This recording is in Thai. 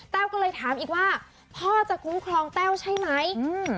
ก็เลยถามอีกว่าพ่อจะคุ้มครองแต้วใช่ไหมอืม